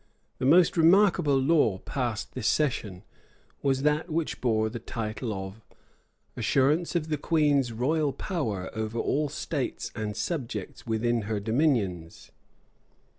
[*] The most remarkable law passed this session, was that which bore the title of "Assurance of the queen's royal power over all states and subjects within her dominions."